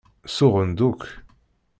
Suɣen-d akk.